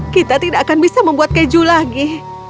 kita tidak akan bisa membuat keju lagi